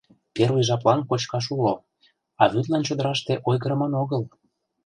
Первый жаплан кочкаш уло, а вӱдлан чодыраште ойгырыман огыл...